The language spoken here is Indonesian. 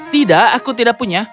tidak aku tidak punya